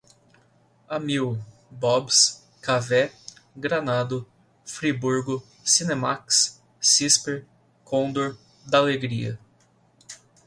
Amil, Bob's, Cavé, Granado, Friburgo, Cinemaxx, Cisper, Condor, D'Alegria